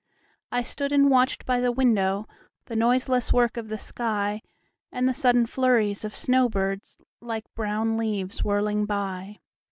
I stood and watched by the windowThe noiseless work of the sky, And the sudden flurries of snow birds, Like brown leaves whirling by.